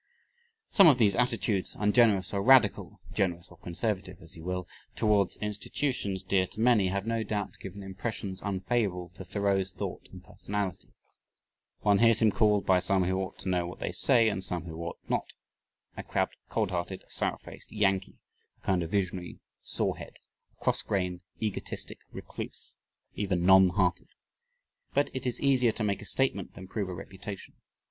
Some of these attitudes, ungenerous or radical, generous or conservative (as you will), towards institutions dear to many, have no doubt given impressions unfavorable to Thoreau's thought and personality. One hears him called, by some who ought to know what they say and some who ought not, a crabbed, cold hearted, sour faced Yankee a kind of a visionary sore head a cross grained, egotistic recluse, even non hearted. But it is easier to make a statement than prove a reputation.